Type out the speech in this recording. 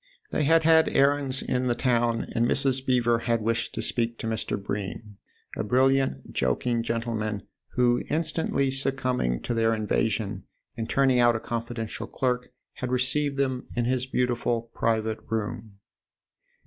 They had had errands in the town, and Mrs. Beever had wished to speak to Mr. Bream, a brilliant, joking gentleman, who, instantly succumbing to their invasion and turning out a confidential clerk, had received them in his beautiful private room.